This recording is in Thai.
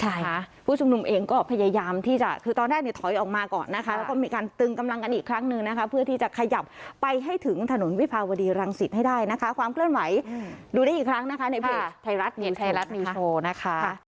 ใช่ค่ะผู้ชุมนุมเองก็พยายามที่จะคือตอนแรกเนี่ยถอยออกมาก่อนนะคะแล้วก็มีการตึงกำลังกันอีกครั้งหนึ่งนะคะเพื่อที่จะขยับไปให้ถึงถนนวิภาวดีรังสิตให้ได้นะคะความเคลื่อนไหวดูได้อีกครั้งนะคะในเพจไทยรัฐเนี่ยไทยรัฐไทยรัฐนิวโชว์นะคะ